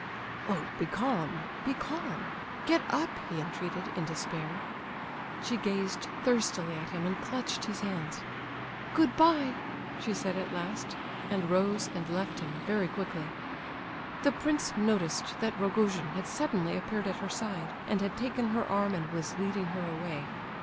_" "Oh, be calm—be calm! Get up!" he entreated, in despair. She gazed thirstily at him and clutched his hands. "Good bye!" she said at last, and rose and left him, very quickly. The prince noticed that Rogojin had suddenly appeared at her side, and had taken her arm and was leading her away.